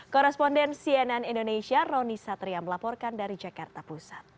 koresponden cnn indonesia roni satria melaporkan dari jakarta pusat